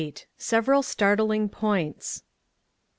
SEVERAL STARTLING POINTS.